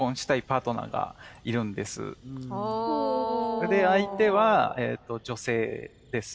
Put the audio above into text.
それで相手は女性です。